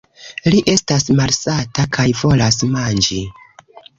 Li estas malsata kaj volas manĝi!